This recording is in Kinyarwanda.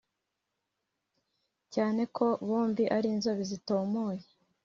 cyane ko bombi ari inzobe zitomoye